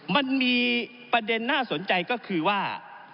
มันมีประเด็นน่าสนใจก็คือว่า